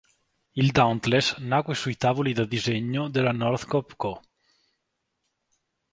Il Dauntless nacque sui tavoli da disegno della Northrop Co.